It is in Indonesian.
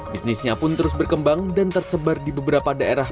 bisnisnya pun terus berkembang dan tersebar di beberapa daerah